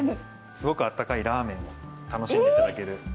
すごくあったかいラーメンを楽しんでいただける。え！